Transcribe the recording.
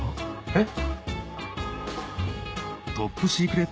えっ！